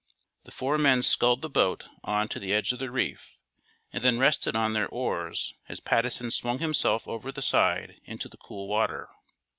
The four men sculled the boat on to the edge of the reef and then rested on their oars as Patteson swung himself over the side into the cool water.